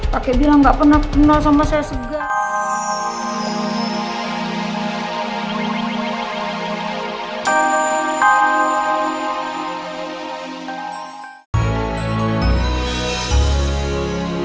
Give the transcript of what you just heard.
pakai bilang gak pernah kenal sama saya segan